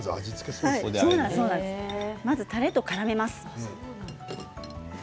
まず、たれとからめます。